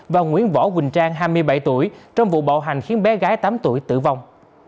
và nguyễn võ quỳnh trang hai mươi bảy tuổi trong vụ bạo hành khiến bé gái tám tuổi tử vong